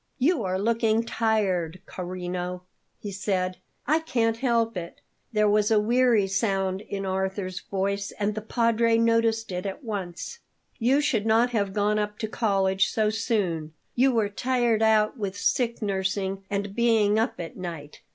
"You are looking tired, carino," he said. "I can't help it." There was a weary sound in Arthur's voice, and the Padre noticed it at once. "You should not have gone up to college so soon; you were tired out with sick nursing and being up at night.